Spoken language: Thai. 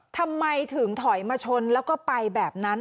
ทำไมถึงถอยมาชนแล้วก็ไปแบบนั้น